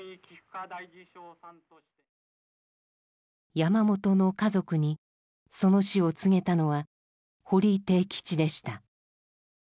山本の家族にその死を告げたのは堀悌吉でした。